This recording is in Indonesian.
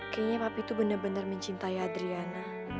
kayaknya papi tuh bener bener mencintai adriana